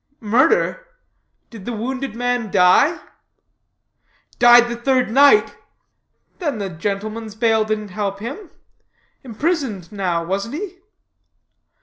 "Murder? Did the wounded man die?" "Died the third night." "Then the gentleman's bail didn't help him. Imprisoned now, wasn't he?"